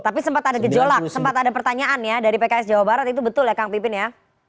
tapi sempat ada gejolak sempat ada pertanyaan ya dari pks jawa barat itu betul ya kang pipin ya